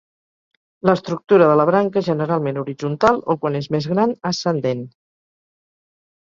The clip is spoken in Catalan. L'estructura de la branca és generalment horitzontal o, quan és més gran, ascendent.